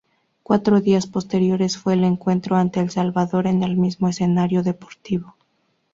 Cuatro días posteriores fue el encuentro ante El Salvador en el mismo escenario deportivo.